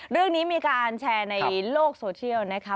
เรื่องนี้มีการแชร์ในโลกโซเชียลนะคะ